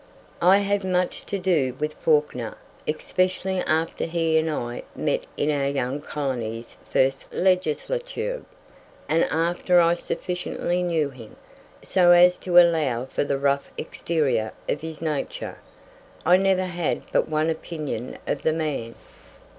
I had much to do with Fawkner, especially after he and I met in our young colony's first Legislature, and after I sufficiently knew him, so as to allow for the rough exterior of his nature, I never had but one opinion of the man.